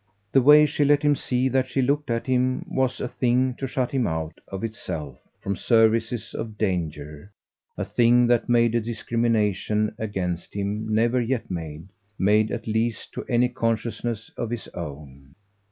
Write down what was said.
The way she let him see that she looked at him was a thing to shut him out, of itself, from services of danger, a thing that made a discrimination against him never yet made made at least to any consciousness of his own.